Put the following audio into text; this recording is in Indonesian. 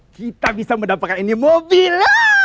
kita bisa mendapatkan ini mobil